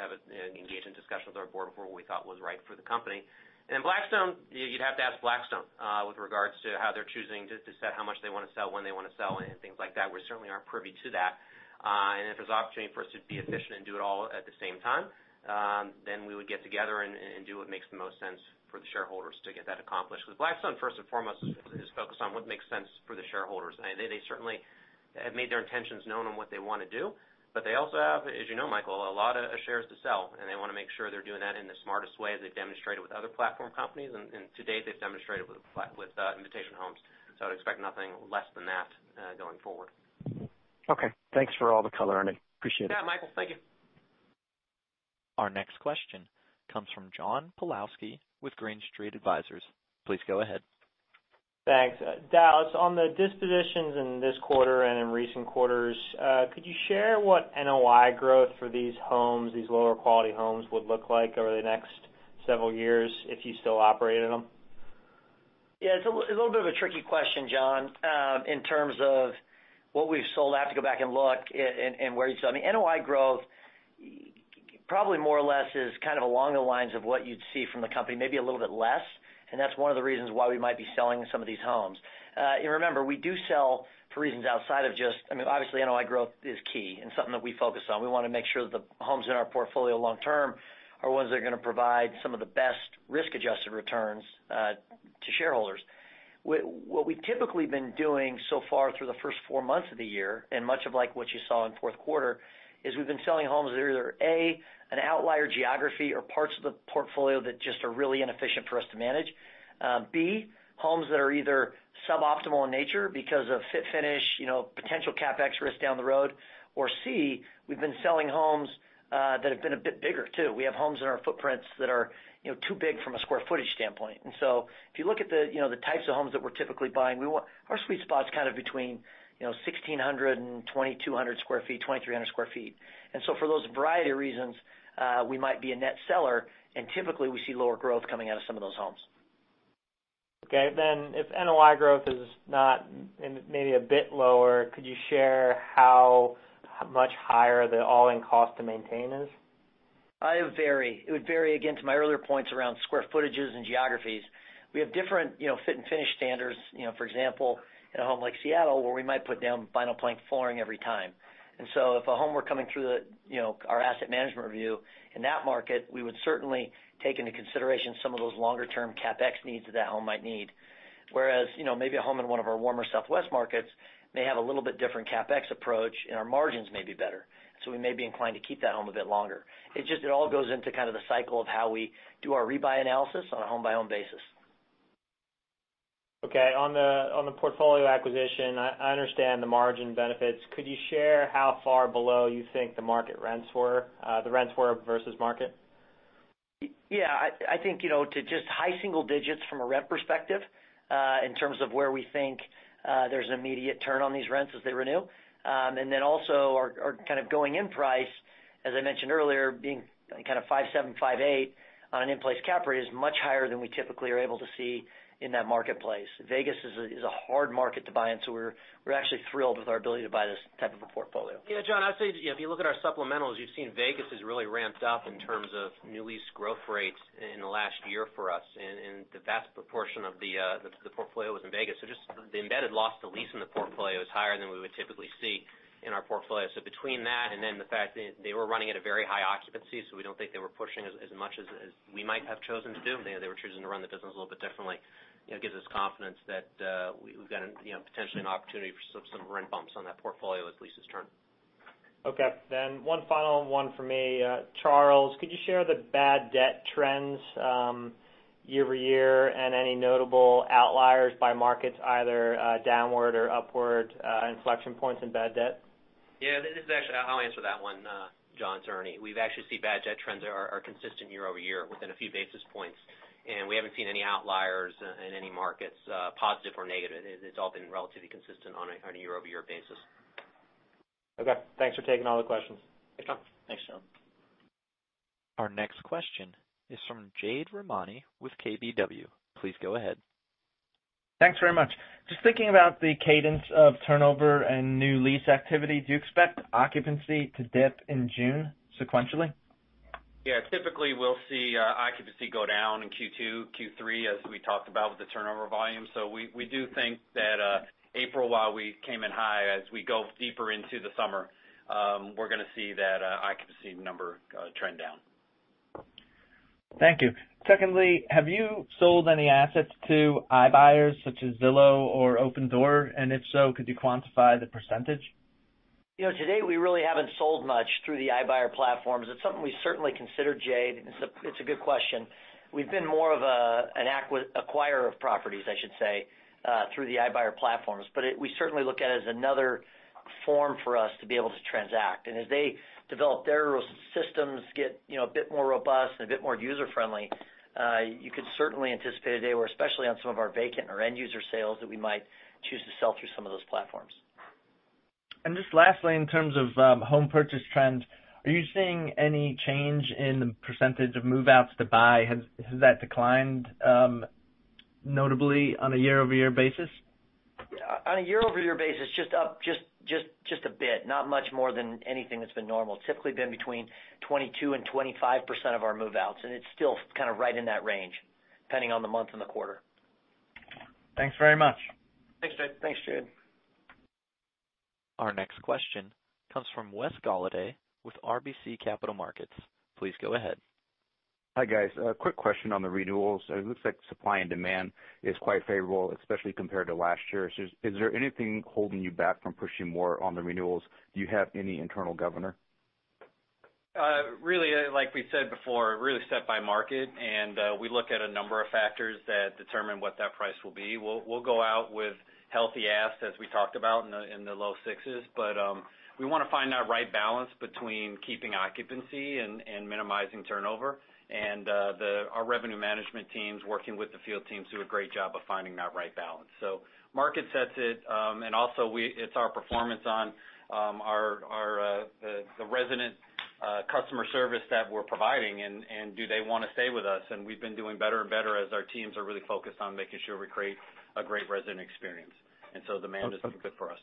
engage in discussion with our Board before what we thought was right for the company. Blackstone, you'd have to ask Blackstone, with regards to how they're choosing to set how much they want to sell, when they want to sell, and things like that. We certainly aren't privy to that. If there's an opportunity for us to be efficient and do it all at the same time, then we would get together and do what makes the most sense for the shareholders to get that accomplished. Blackstone, first and foremost, is focused on what makes sense for the shareholders. They certainly have made their intentions known on what they want to do. They also have, as you know, Michael, a lot of shares to sell, and they want to make sure they're doing that in the smartest way they've demonstrated with other platform companies. To date, they've demonstrated with Invitation Homes. I'd expect nothing less than that going forward. Okay. Thanks for all the color, Ernie. Appreciate it. Yeah, Michael. Thank you. Our next question comes from John Pawlowski with Green Street Advisors. Please go ahead. Thanks. Dallas, on the dispositions in this quarter and in recent quarters, could you share what NOI growth for these homes, these lower quality homes, would look like over the next several years if you still operated them? Yeah. It's a little bit of a tricky question, John, in terms of what we've sold. I have to go back and look and where you saw. The NOI growth probably more or less is kind of along the lines of what you'd see from the company, maybe a little bit less, and that's one of the reasons why we might be selling some of these homes. Remember, we do sell for reasons. Obviously, NOI growth is key and something that we focus on. We want to make sure that the homes in our portfolio long term are ones that are going to provide some of the best risk-adjusted returns to shareholders. What we've typically been doing so far through the first four months of the year, and much of like what you saw in fourth quarter, is we've been selling homes that are either, A, an outlier geography or parts of the portfolio that just are really inefficient for us to manage. B, homes that are either suboptimal in nature because of fit finish, potential CapEx risk down the road. Or C, we've been selling homes that have been a bit bigger, too. We have homes in our footprints that are too big from a square footage standpoint. If you look at the types of homes that we're typically buying, our sweet spot's kind of between 1,600 and 2,200 square feet, 2,300 square feet. For those variety of reasons, we might be a net seller, and typically, we see lower growth coming out of some of those homes. Okay. If NOI growth is not maybe a bit lower, could you share how much higher the all-in cost to maintain is? It would vary. It would vary, again, to my earlier points around square footages and geographies. We have different fit and finish standards. For example, in a home like Seattle where we might put down vinyl plank flooring every time. If a home were coming through our asset management review in that market, we would certainly take into consideration some of those longer-term CapEx needs that home might need. Whereas, maybe a home in one of our warmer Southwest markets may have a little bit different CapEx approach, and our margins may be better. We may be inclined to keep that home a bit longer. It all goes into kind of the cycle of how we do our rebuy analysis on a home-by-home basis. Okay. On the portfolio acquisition, I understand the margin benefits. Could you share how far below you think the rents were versus market? Yeah. I think to just high single digits from a rent perspective, in terms of where we think there's an immediate turn on these rents as they renew. Also our kind of going-in price, as I mentioned earlier, being kind of 5.7%, 5.8% on an in-place cap rate is much higher than we typically are able to see in that marketplace. Vegas is a hard market to buy into. We're actually thrilled with our ability to buy this type of a portfolio. Yeah, John, I'd say if you look at our supplementals, you've seen Vegas has really ramped up in terms of new lease growth rates in the last year for us, and the vast proportion of the portfolio was in Vegas. Just the embedded loss to lease in the portfolio is higher than we would typically see in our portfolio. Between that and then the fact that they were running at a very high occupancy, so we don't think they were pushing as much as we might have chosen to do. Maybe they were choosing to run the business a little bit differently. It gives us confidence that we've got potentially an opportunity for some rent bumps on that portfolio as leases turn. Okay. One final one from me. Charles, could you share the bad debt trends year-over-year and any notable outliers by markets, either downward or upward inflection points in bad debt? Yeah. I'll answer that one, John, sorry. We've actually seen bad debt trends are consistent year-over-year within a few basis points, and we haven't seen any outliers in any markets, positive or negative. It's all been relatively consistent on a year-over-year basis. Okay. Thanks for taking all the questions. Thanks, John. Thanks, John. Our next question is from Jade Rahmani with KBW. Please go ahead. Thanks very much. Just thinking about the cadence of turnover and new lease activity, do you expect occupancy to dip in June sequentially? Typically, we'll see occupancy go down in Q2, Q3, as we talked about with the turnover volume. We do think that April, while we came in high, as we go deeper into the summer, we're going to see that occupancy number trend down. Thank you. Secondly, have you sold any assets to iBuyers such as Zillow or Opendoor? If so, could you quantify the percentage? Today, we really haven't sold much through the iBuyer platforms. It's something we certainly consider, Jade. It's a good question. We've been more of an acquirer of properties, I should say, through the iBuyer platforms. We certainly look at it as another form for us to be able to transact. As they develop, their systems get a bit more robust and a bit more user-friendly, you could certainly anticipate a day where, especially on some of our vacant or end-user sales, that we might choose to sell through some of those platforms. Just lastly, in terms of home purchase trends, are you seeing any change in the percentage of move-outs to buy? Has that declined notably on a year-over-year basis? On a year-over-year basis, just up just a bit. Not much more than anything that's been normal. It's typically been between 22% and 25% of our move-outs, and it's still kind of right in that range, depending on the month and the quarter. Thanks very much. Thanks, Jade. Thanks, Jade. Our next question comes from Wes Golladay with RBC Capital Markets. Please go ahead. Hi, guys. A quick question on the renewals. It looks like supply and demand is quite favorable, especially compared to last year. Is there anything holding you back from pushing more on the renewals? Do you have any internal governor? Really, like we said before, really set by market, we look at a number of factors that determine what that price will be. We'll go out with healthy asks, as we talked about in the low sixes, we want to find that right balance between keeping occupancy and minimizing turnover. Our revenue management teams working with the field teams do a great job of finding that right balance. Market sets it, also it's our performance on the resident customer service that we're providing, and do they want to stay with us. We've been doing better and better as our teams are really focused on making sure we create a great resident experience. Demand has been good for us.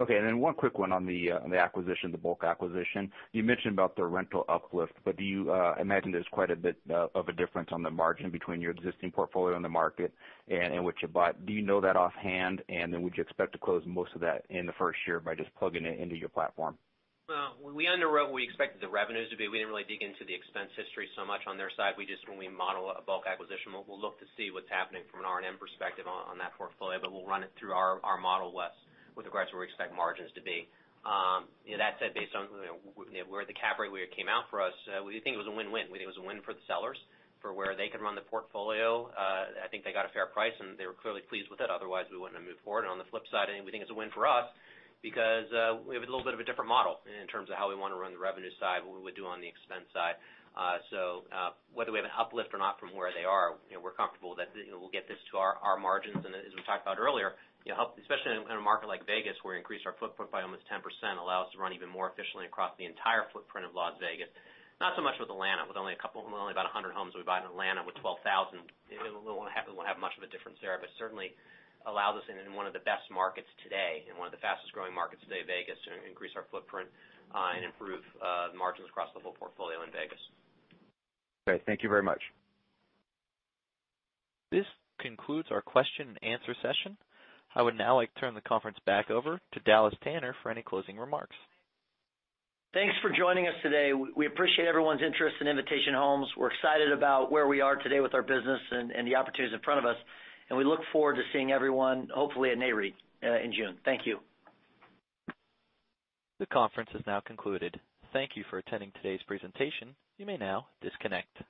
Okay. One quick one on the acquisition, the bulk acquisition. You mentioned about the rental uplift, do you imagine there's quite a bit of a difference on the margin between your existing portfolio in the market and what you bought? Do you know that offhand, would you expect to close most of that in the first year by just plugging it into your platform? When we underwrote what we expected the revenues to be, we didn't really dig into the expense history so much on their side. When we model a bulk acquisition, we'll look to see what's happening from an R&M perspective on that portfolio, we'll run it through our model, Wes, with regards to where we expect margins to be. That said, based on where the cap rate came out for us, we think it was a win-win. We think it was a win for the sellers for where they could run the portfolio. I think they got a fair price, they were clearly pleased with it, otherwise we wouldn't have moved forward. On the flip side, I think it's a win for us because we have a little bit of a different model in terms of how we want to run the revenue side, what we would do on the expense side. Whether we have an uplift or not from where they are, we're comfortable that we'll get this to our margins. As we talked about earlier, especially in a market like Vegas, where we increased our footprint by almost 10%, allow us to run even more efficiently across the entire footprint of Las Vegas. Not so much with Atlanta, with only about 100 homes we bought in Atlanta, with 12,000, it won't have much of a difference there, certainly allows us in one of the best markets today, in one of the fastest-growing markets today, Vegas, to increase our footprint and improve margins across the whole portfolio in Vegas. Great. Thank you very much. This concludes our question and answer session. I would now like to turn the conference back over to Dallas Tanner for any closing remarks. Thanks for joining us today. We appreciate everyone's interest in Invitation Homes. We're excited about where we are today with our business and the opportunities in front of us, and we look forward to seeing everyone, hopefully at Nareit in June. Thank you. The conference is now concluded. Thank you for attending today's presentation. You may now disconnect.